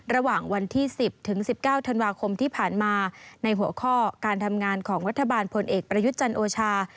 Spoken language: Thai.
ระหว่างวันที่๑๐ถึง๑๙ธันวาคมที่ผ่านมาในหัวข้อการทำงานของรัฐบาลพลเอกประยุทธ์จันทร์โอชา